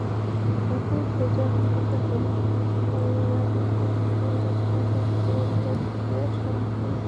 নতুন প্রজন্ম তাঁকে অনুসরণ করলে, অনুকরণ করলে তাঁদেরকেও লোকে স্মরণ করবে।